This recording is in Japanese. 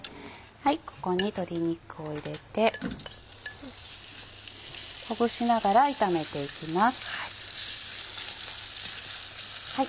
ここに鶏肉を入れてほぐしながら炒めていきます。